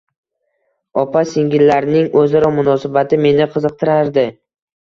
Opa-singillarning o`zaro munosabati meni qiziqtirardi